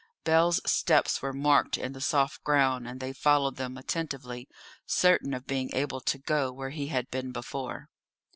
Bell's steps were marked in the soft ground, and they followed them attentively, certain of being able to go where he had been before.